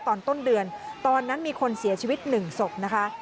ตอนต้นเดือนตอนนั้นมีคนเสียชีวิตหนึ่งศพนะคะ